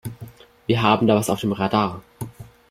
Wir haben da was auf dem Radar.